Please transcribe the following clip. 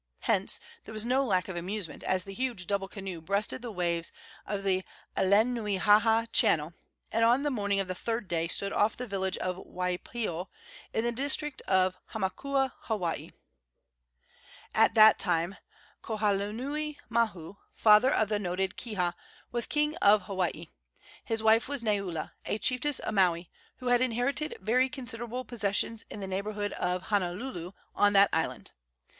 Hence there was no lack of amusement as the huge double canoe breasted the waves of Alenuihaha Channel, and on the morning of the third day stood off the village of Waipio, in the district of Hamakua, Hawaii. At that time Kauholanui mahu, father of the noted Kiha, was king of Hawaii. His wife was Neula, a chiefess of Maui, who had inherited very considerable possessions in the neighborhood of Honuaula, on that island.